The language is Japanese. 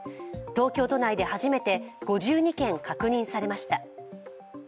東京都内で初めて５２件確認されました。